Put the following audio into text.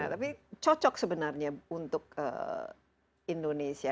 tapi cocok sebenarnya untuk indonesia